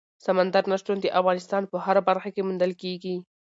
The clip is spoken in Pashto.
سمندر نه شتون د افغانستان په هره برخه کې موندل کېږي.